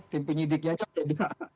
tim penyidiknya beda